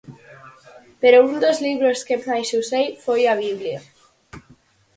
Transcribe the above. Pero un dos libros que máis usei foi a Biblia.